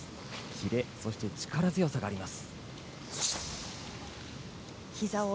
キレ、力強さがあります。